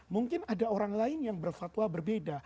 mungkin ada orang lain yang berfatwa berbeda